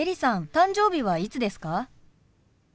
誕生日はいつですか？